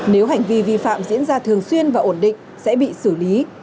nếu hành vi vi phạm diễn ra thường xuyên và ổn định sẽ bị xử lý